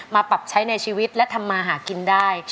ปรับใช้ในชีวิตและทำมาหากินได้